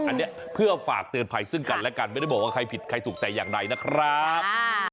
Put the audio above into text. อันนี้เพื่อฝากเตือนภัยซึ่งกันและกันไม่ได้บอกว่าใครผิดใครถูกแต่อย่างใดนะครับ